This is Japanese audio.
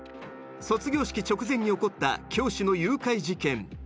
卒業式直前に起こった教師の誘拐事件。